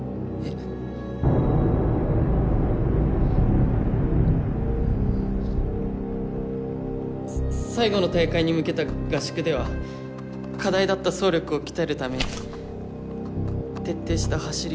さ最後の大会に向けた合宿では課題だった走力を鍛えるため徹底した走り込みを行いました。